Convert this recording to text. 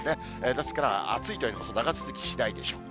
ですから暑いというのも長続きしないでしょう。